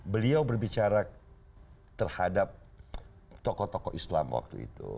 beliau berbicara terhadap tokoh tokoh islam waktu itu